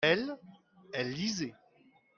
elle, elle lisait.